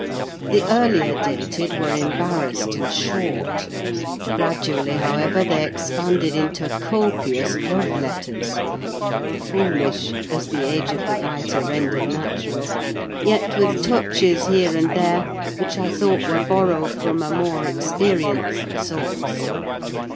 The earlier dated were embarrassed and short; gradually, however, they expanded into copious love letters, foolish, as the age of the writer rendered natural, yet with touches here and there which I thought were borrowed from a more experienced source.